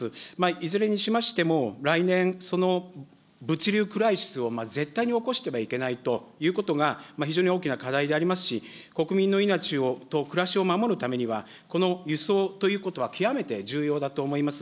いずれにしましても、来年、その物流クライシスを、絶対に起こしてはいけないということが、非常に大きな課題でありますし、国民の命と暮らしを守るためには、この輸送ということは極めて重要だと思います。